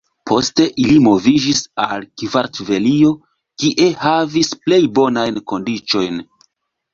Poste ili moviĝis al Kartvelio, kie havis plej bonajn kondiĉojn.